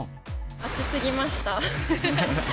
暑すぎました。